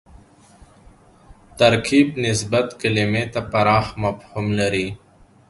ترکیب نسبت کلیمې ته پراخ مفهوم لري